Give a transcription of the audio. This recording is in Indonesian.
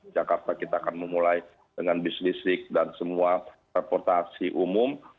jakarta kita akan memulai dengan bis listrik dan semua reportasi umum